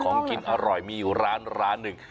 ของกินอร่อยมีอยู่ร้านร้านหนึ่ง